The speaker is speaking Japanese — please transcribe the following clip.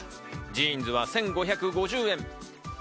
ジーンズは１５５０円。